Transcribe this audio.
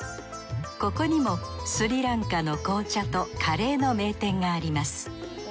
ここにもスリランカの紅茶とカレーの名店があります。